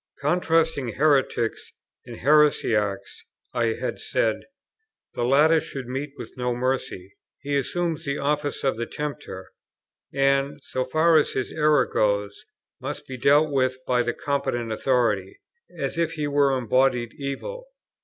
Contrasting heretics and heresiarchs, I had said, "The latter should meet with no mercy: he assumes the office of the Tempter; and, so far forth as his error goes, must be dealt with by the competent authority, as if he were embodied evil.